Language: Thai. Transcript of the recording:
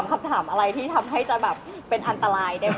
คำถามอะไรที่ทำให้จะแบบเป็นอันตรายได้ไหม